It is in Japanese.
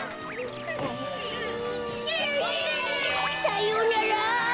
さようなら！